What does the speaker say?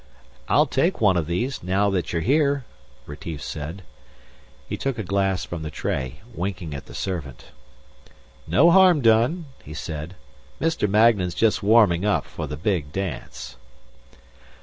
"I'll take one of these, now that you're here," Retief said. He took a glass from the tray, winking at the servant. "No harm done," he said. "Mr. Magnan's just warming up for the big dance."